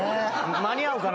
「間に合うかな？」